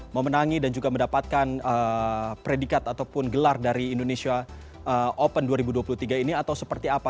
memenangi dan juga mendapatkan predikat ataupun gelar dari indonesia open dua ribu dua puluh tiga ini atau seperti apa